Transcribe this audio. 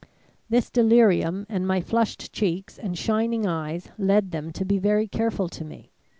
This delirium and my flushed cheeks and shining eyes led them to be very careful to me.